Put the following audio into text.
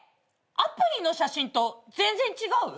アプリの写真と全然違う？